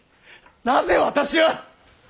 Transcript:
なぜ私は！